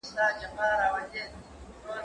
هغه وويل چي قلمان پاکول ضروري دي،